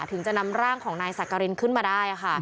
ถึงจะนำร่างของนายสักกรินขึ้นมาได้ค่ะ